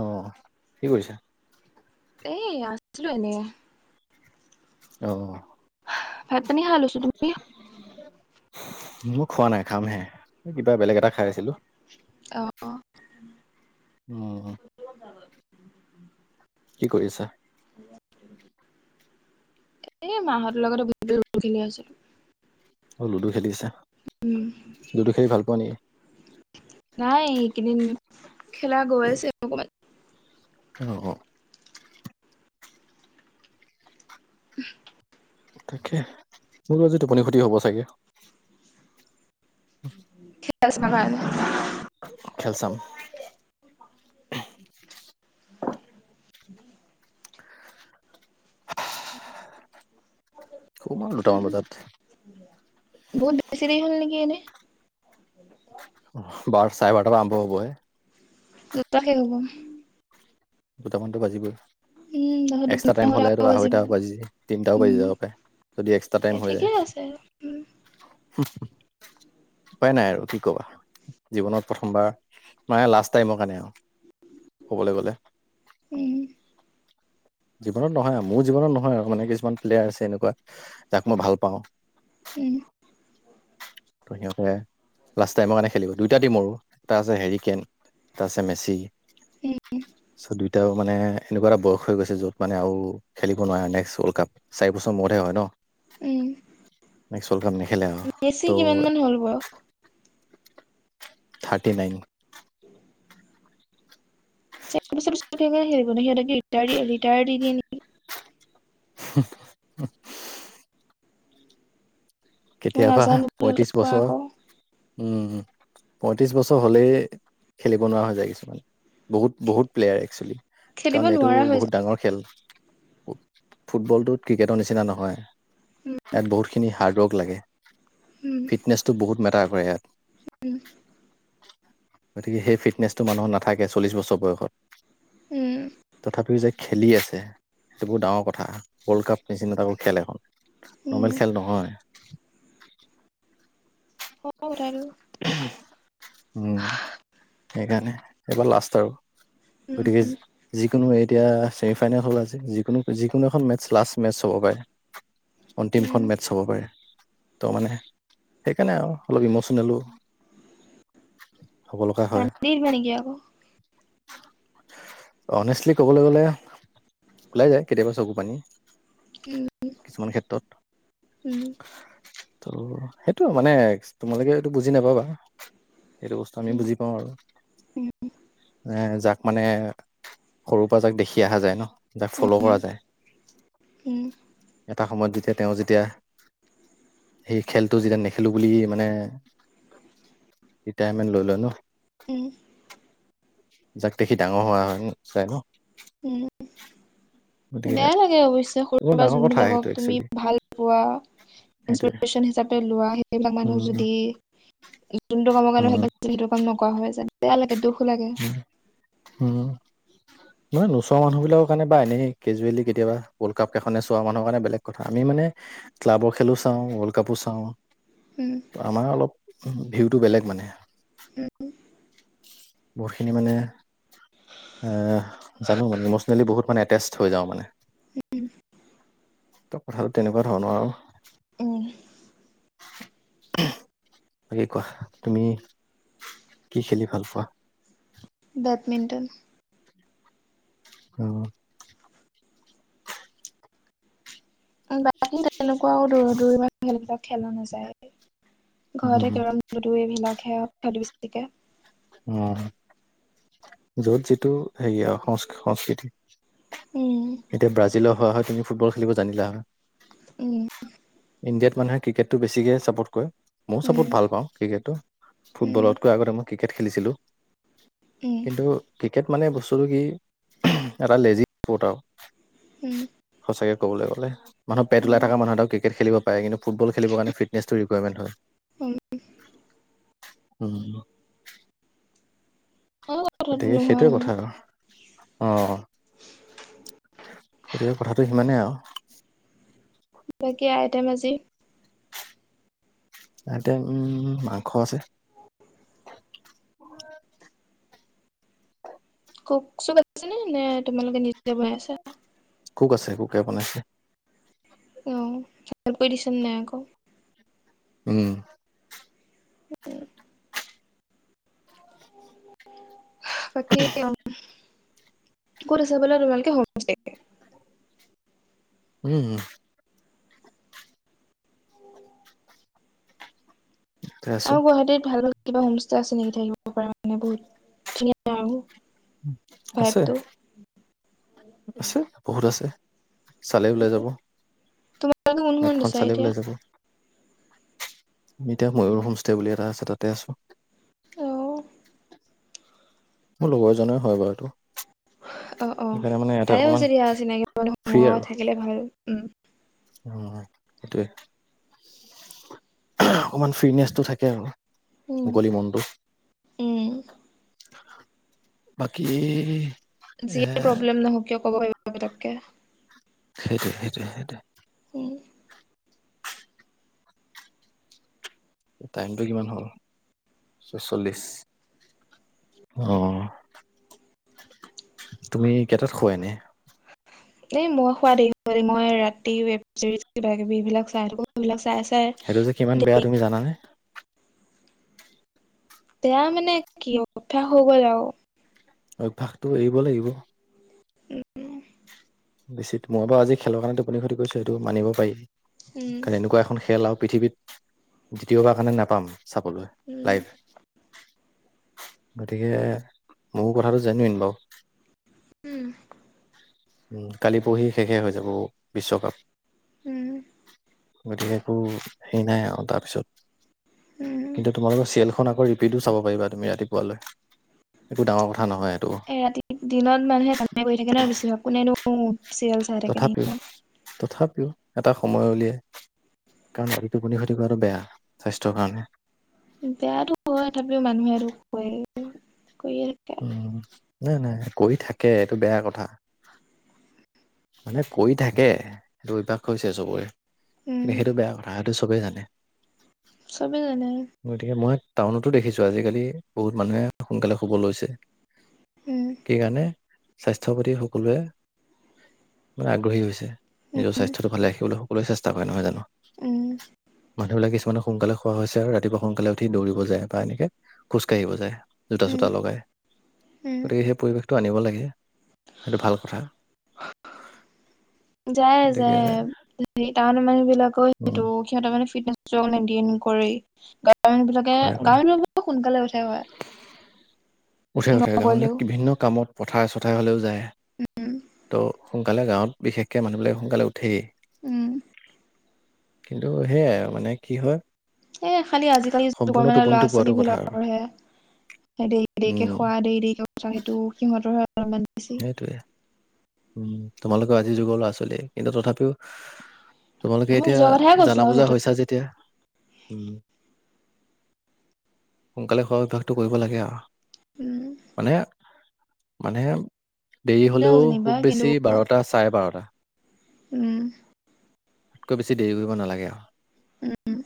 অ', কি কৰিছা? এ আছোঁ এনে অ'। ভাত পানী খাই লৈছোঁ তুমি। ময় খোৱা নাই কাম হে কিবা বেলেগ এটা খাই আছিলোঁ। অ [inaudible] কি কৰি আছা। [inaudible] এ মাহঁৰ লগতে লুদু খেলি আছিলোঁ। অ', লুডু খেলিছা উম লুডু খেলি ভাল পোৱা নেকি। নাই এইকেইদিন খেলা গৈ আছে অকমান। অ', অ'। [unintelligible] তাকে মোৰ আজি টোপনি ক্ষতি হ'ব চাগে। খ আছ ম কাৰলেে [unintelligible] খেলচাম। হ [unintelligible] দুটামান বজাত বহুত বেছি দেৰি হ'ল নেকি এনে। বাৰ চাই বাৰটা আৰম্ভ হ'বই। দুটাকে শেষ হ'ব। দুটামানতো বাজিবই। উম তাৰপিছত টোপনি এক্সট্ৰা টাইম আহোতে আকৌ হ'লেতটো বাজিব আঢ়ৈটা বাজি তিনিটাও বাজি যাব পায় যদি এক্সট্ৰা টাইম হৈ যায়। চ [unintelligible] [inaudible] উপায় নাই আৰু কি কবা জীৱনত প্ৰথমবাৰ মে লাষ্ট টাইমৰ কাৰণে আৰু ক'বলৈ গ'লে। উম। জীৱনত নহয় আৰু মোৰ জীৱনত নহয় আৰু মানে কিছুমান প্লেয়াৰ আছে এনেকুৱা যাক মই ভাল পাওঁ। উম। ত সিহঁতে লাষ্ট টাইমৰ কাৰণে খেলিব দুইটা দিম আৰু এটা আছে হেৰি কেন তাৰছে মেচি চ দুইটাও। মানে এনেকুৱা এটা বয়স হৈ গৈছে য'ত মানে আৰু খেলিব নোৱাৰে নেক্সট ৱৰ্ল্ড কাপ চাৰি বছৰ মূৰতহে হয় ন। উম নেক্স ৱ'ল্ড কাপ নেখেলে আৰু। উম বেছি কিমান মান ত' হ'ল বাৰু। Thirty nine. চাৰ বছৰ পিছিত সহতকৰি ৰিটাৰ দি দিয়ে। হ হ। মই কেতিয়াবা নাজানো ভালকে পয়ত্ৰিশ কোৱা বছৰ। আকৌ উম পয়ত্ৰিশ বছৰ হলেই খেলিব নোৱাৰা হৈ যায় কিছুমানে। বহুত বহুত প্লেয়াৰ আহিছে খেলিব কাৰণ এইটো নোৱাৰা হৈ যায় বহুত ডাঙৰ খেল। ফুটবলটোত ক্ৰিকেটৰ নিচিনা নহয় উম ইয়াত বহুতখিনি হাৰ্ডৱৰ্ক। লাগে উম ফিটনেছটো বহুত মেটাৰ কৰে এয়াত। গতিকে সেই ফিটনেছটো মানুহ নাথাকে চল্লিছ বছৰ বয়সত। উম। তথাপিও যে খেলি আছে সেইটো বৰ ডাঙৰ কথা ৱৰ্ল্ড কাপ নিচিনাতাকৌ খেল এখন। উম নৰ্মেল খেল নহয়। অ অ জানো। উম সেইকাৰণে এইবাৰ লাষ্ট আৰু। উম গতিকে যিকোনো এতিয়া। এ ফাইনেল হ'ল আজি যিকোনো যিকোনো এখন মে লাষ্ট মেটছ হ'ব পাৰে। উম অন্তিমখন মেটছ হব পাৰে ত' মানে সেইকাৰণে আৰু। অলপ ইম'চনেলো হ'ব লগা হয়। কান্দি দিবা নেকি আকৌ অনেষ্টলি ক'বলৈ গ'লে ওলাই যায় কেতিয়াবা চকু পানী। উম কিছুমান ক্ষেত্ৰত উম ত' সেইটো মানে। তোমালোকে এইটো বুজি নাপাবা। সেইটো বস্তু আমি উম বুজি পাওঁ আৰু উম এ যাক মানে। সৰু পৰা যাক দেখি অহা যায় ন যাক ফল' উম কৰা যায়। উম এটা সময়ত যেতিয়া তেওঁ যেতিয়া সেই খেলটো যেতিয়া নেখেলো বুলি। মানে ৰিটাৰমেন্ট লৈ লয় ন। উম। যাক দেখি ডাঙৰ হোৱা চাই ন। উম। গতিকে বেয়া লাগে অৱশ্যে বৰ সৰু বা ডাঙৰ কথা সেইটো যোনবিলাকক তুমি একচুৱেলি ভাল পোৱা। সেইটোৱে ইৰেশচন হিচাপে লোৱা সেইবিলাক উম মানুহ যদি যোনটো কাম কাৰণ উম সেইবিলাক। যিহেতু কাম নকৰা হয় যায় বেয়া লাগে দুখ লাগে। উম। নহয় নোচোৱা মানুহ বিলাকৰ কাৰণে বা এনেই কেজুৱেলি কেতিয়া়বা ৱৰ্লড কাপ এখনে চোৱা মানুৰ কাৰণে বেলেগ। কথা আমি মানে ক্লাব খেলো চাওঁ ৱৰ্ল্ড কাপো চাওঁ। উম। আমাৰ অলপ ভিউটো বেলেগ মানে। উ উম। বহুতখিনি মানে আহ। জানো মানে ইমচনেলি বহুত মান এতেচ হৈ যাওঁ মানে। উম ত কথাটো তেনেকুৱা ধৰ ন আৰু। উম বাকী কোৱা তুমি কি খেলি ভাল পোৱা। বেডমিণ্টন। অ। বাকী তেনেকুৱা দৌৰা দৌৰি খেলবিলাক খেলা নাযায় উম ঘৰতে কে [unintelligible] এই বিলাক হেকে উম যত যিটো হেৰি আৰু সংস্ সংস্কৃতি উম এতিয়া ব্ৰাজিলৰ হয় হয় তুমি ফুটবল খেলিব জানিলা হয় উম ইণ্ডিয়াত মানুহে ক্ৰিকেটটো বেছিকে ছাপৰ্ট কৰে মই উম চাপত ভাল পাওঁ ক্ৰিকেটটো উম ফুটবলতকৈ আগতে মই ক্ৰিকেট খেলিছিলোঁ। উম কিন্তু ক্ৰিকেট মানে বস্তুটো কি এটা লেজি স্পৰ্ট আৰু উম সঁচাকে কবলৈ গ'লে মানুহ পেট ওলাই উম থকা মানুহ এটা ক্ৰিকেট খেলিব কিন্তু ফুটবল খেলিবৰ কাৰণে ফিটনেছটো ৰিকুইমেন্ট হয় অ কথাটো গতিকে নোহোৱা সেইটোয়ে নহয় কথা আৰু অ অ গতিকে কথাটো সিমানেই আৰু বাকী আইটেম আজি আইটেম উম মাংস আছে কুক চু ক আছে নে নে তোমালোকে নিজে বনাই আছা। কুক আছে কুকে বনাইছে। অ হেলভ কৰি দিছ নে নাই আকৌ উম বাকী ক'ত আছা বোলা তোমালোকে হোম উম আছে আৰু গুৱাহাটীত ভাল ভাল কিবা হোমষ্টে আছে নেকি থাকিব পাৰে মানে বহুত ধুনীয়া আৰু আছে ভাইবটো আছে বহুত আছে চালে ওলাই যাব তোমালোকে কোনখনত মেপখন আছা চালেই এতিয়া ওলাই যাব। এতিয়া ময়ুৰ হোমষ্টে বুলি এটা আছে তাতে আছোঁ। অ মোৰ লগৰ এজনে হয় বাৰুটো অ অ ভাল অকমান হৈছে দিয়া চিনাকি মানুহ ফ্ৰী থাকিলে ভাল উ অ সেইটোয়ে অকমান ফ্ৰীছনেচটো থাকে আৰু। উম মুকলি মনটো উম বাকী এ যিয়ে প্ৰব্লেম নহওক কিয় ক'ব পাৰিব পতককে সেইটো সেইটো সেইটোৱে ওহ টাইমটো কিমান হ'ল ছয়চল্লিশ অ তুমি কেইটাত শুৱা এনে এই মই শুৱা দেৰি হয় দেই মই ৰাতি উৱেবচেৰিচ কিবা কিবি এইবিলাক চাই থাকো সেইবিলাক চাই আছ' ছ [unintelligible] দে মানে বেয়া মানে কি অভ্যাস হৈ গ'ল আৰু অভ্যাসটো এৰিব লাগিব উম বেছিত মই বাৰু আজি খেলৰ কাৰণেত টোপনি ক্ষতি কৰিছোঁ সেইটো মানিব পাৰি উম কাৰণ এনেকুৱা এখন খেল আৰু পৃথিৱীত দ্বিতীয়বাৰ কাৰণে নাপাম চাবলৈ উম লাইফ গতিকে মোৰ কথাটো জেনুৱইন বাৰু উম উ কালি পঢ়হি শেষে হৈ যাব বিশ্বকাপ উম গতিকে একো হেৰি নাই আৰু তাৰপিছত উম কিন্তু তোমালোকৰ চিৰিয়েল খন ফোন আকৌ ৰিপিটো চাব পাৰিবা তুমি ৰাতিপুৱালৈ একো ডাঙৰ কথা নহয় এইটো। এ ৰাতি দিনত মানুহে কামে কৰি থাকে ন বেছিভাগ কোনেনো চেৰিৱেল চাই। থাকে তথাপিও তথাপিও এটা সময় উলিয়াই,,,, কাৰণ টুপনি খতি কৰাটো বেয়া স্বাস্থ্যৰ কাৰণে। বেয়াতো কয় থাকে তথাপিও মানুহে আৰু কয় কৰি উমঁ নাই নাই কৰি থাকে এইটো বেয়া কথা। মানে কৰি থাকে সেইটো অভ্যাস হৈছে চবৰে। উম সেইটো বেয়া কথা সটো চবেই জানে। চবেই জানে। গতিকে মই টাউন'তো দেখিছো আজিকালি বহুত মানুহে সোনকালে শুব লৈছে। উমঁ! কি কাৰণে স্বাস্থ্যৰ প্ৰতি সকলোৱে,,, মানে আগ্ৰহী হৈছে নিজৰ স্বাস্থ্যটো ভালে ৰাখিবলৈ সকলোৱে চেষ্টা কৰে নহয় জানো। উমঁ! মানুহবিলাকে কিছুমানে সোনকালে খোৱা হৈছে আৰু ৰাতিপুৱা সোনকালে উঠি দৌৰিব যায় বা এনেকে খোজ কাঢ়িব যায়। জোতা উম চোতা লগাই উম গতিকে সেই পৰিৱেশটো আনিব লাগে সেইটো ভাল কথা। যায় গতিকে যায় টাউনৰ মানুহ বিলাকো উম, সেইটো। সিহঁতে মানে ফিটনেছ দিন কৰেই বিলাকে কৰে কৰে। গাঁৱৰ মানুহবিলাকে সোনকালে উঠে হয়। উঠে উঠে নগলেও গাঁওবিলাক বিভিন্ন কামত পথাৰে চথাৰে হলেও যায়। উম ত' সোনকালে গাঁৱত বিশেষকে মানুহবিলাকে সোনকালে উঠেই। উমঁ! কিন্তু সেয়াই আও মানে কি হয়। এ খালি আজিকালিৰ সম্পূৰ্ণ যুগৰ মানে ল'ৰা টোপনিটো পোৱাটো ছোৱালী কথা আৰু। বিলাকৰ হে,,, দেৰি দেৰিকে উম, খোৱা দেৰি দেৰিকে সেইটো সিহঁতৰ অলপমান বেছি। সেইটোৱে। উমঁ তোমালোকেও আজি যুগৰ ল'ৰা ছোৱালীয়ে কিন্তু তথাপিওঁ,,, তোমালোকে মই এতিয়া নিজৰ কথাই কৈছো জানা আৰু বুজা সেইটো হৈছা যেতিয়া। উমঁ সোনকালে খোৱা অভ্যাসটো কৰিব লাগে আৰু। উম মানে মানে দেৰি তেওঁ হলেও যেনিবা খুব কিন্তু বেছি,,, বাৰটা চাৰে বাৰটা। উমঁ! তাতকৈ বেছি দেৰি কৰিব নালাগে আৰু। উমঁ উমঁ!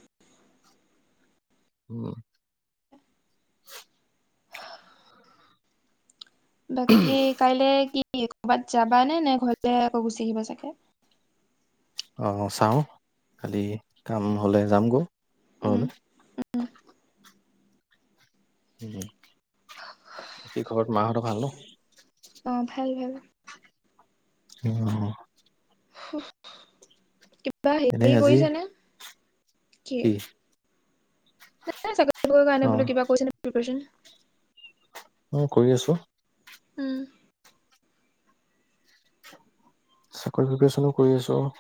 উমঁ! বাকী কাইলে কি কৰ'বাত যাবা নে নে ঘৰলে আকৌ গুচি আহিব চাগে। অঁ চাওঁ খালি কাম হ'লে যামগৈ ঘৰলৈ। উমঁ! হম হম কি খবৰ ঘৰত মাহঁতৰ ভাল ন। অঁ ভাল ভাল। উমঁ অহ। হোহ কিবা এনেই হেৰি আজি কৰিছে নে কি? চাকৰি অ কাৰণে বোলো কিবা কৰিছেনে প্ৰিপাৰেচন? উমঁ কৰি আছো। উমঁ! চাকৰি প্ৰিপেৰচনো কৰি আছো আও।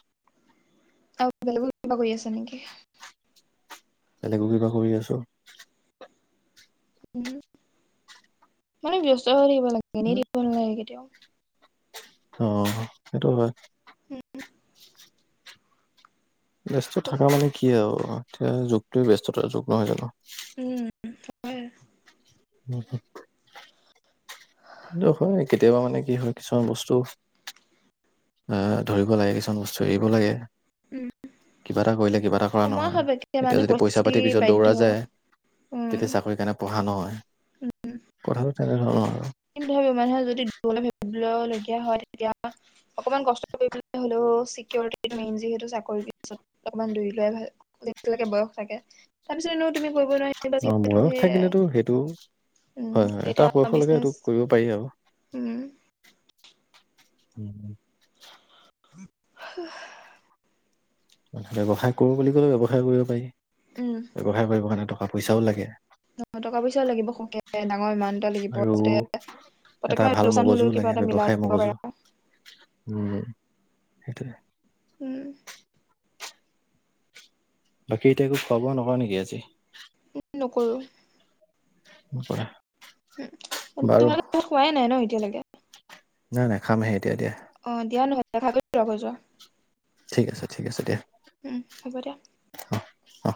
আৰু বেলেগো কিবা কৰি আছা নেকি। বেলেগো কিবা কৰি আছো। উম। মানে ব্যস্ত হৈ দিব লাগে এনেই থাকিব নালাগে কেতিয়াও। অ সেইটো হয়। ব্যস্ততা থকা মানে কি আউ এতিয়া যুগটোৱেই ব্যস্ততাৰ যুগ নহয় জানো। উম হয়। উম। সেটো হয় কেতিয়াবা মানে কি হয় কিছুমান বস্তু। আহ ধৰিব লাগে কিছুমান বস্তু এৰিব লাগে। উম কিবা এটা কৰিলে কিবা এটা কৰা সময় নহয়, সাপেক্ষে মানুহ এতিয়া যদি পৰিস্থিতি পইচা-পাতি পিছত বাধ্য দৌৰা যায়। উম তেতিয়া চাকৰি কাৰণে পঢ়া নহয়, কথাটো তেনেধৰণৰ আৰু। কিন্তু ধৰিব যদি মানুহে পাব লাগিয়া হয়। অকমান কষ্ট কৰিবলৈ হ'লেও চিকিউৰিটো মেইন যিহেতু চাকৰি পিছত অলমান দৌৰি লোৱাই ভাল। যিটো লগে বয়স থাকে তাৰপিছত এনেও। তুমি কৰিব নোৱাৰিলে বা অ', যিহেতু বয়স থাকিলেতো সেইটো সেয়াই হয়, হয়, এটা তেতিয়া বয়সলৈকে বিজনেছ। এইটো কৰিব পাৰি আৰু। হাঁ হ। ব্যৱসায় কৰোঁ বুলি ক'লে ব্যৱসায় কৰিব পাৰি। উম। ব্যৱসায় কৰিবৰ কাৰণে টকা পইচাও লাগে। অ টকা পইচাও লাগিব সকে ডাঙৰ ওমাউন্ত এটা লাগিব আৰু তাতে। এটা ভাল মগজুও কিবা লাগে এটা মিলাই ব্যৱসায় দিব মগজু। পাৰা। উম, সেইটোৱে। উম। বাকী এতিয়া একো খোৱা-বোৱা নহয় নেকি আজি। নকৰোঁ। কৰা। উম তোমালোক খোৱাই নাই ন এতিয়ালৈকে। নাই নাই খামহে এতিয়া দিয়া। অ দিয়া নহ'লে খাগৈ যোৱা গৈ যোৱা। ঠিক আছে ঠিক আছে দিয়া। উম, হ'ব দিয়া। অ'।